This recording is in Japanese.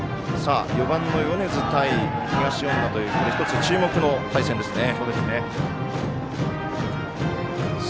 ４番の米津対東恩納という１つ、注目の対戦ですね。